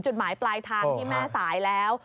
จุดหมายปลายทางที่แม่สายแล้ว